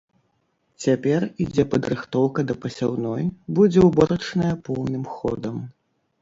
Цяпер ідзе падрыхтоўка да пасяўной, будзе ўборачная поўным ходам.